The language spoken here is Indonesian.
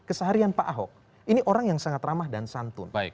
keseharian pak ahok ini orang yang sangat ramah dan santun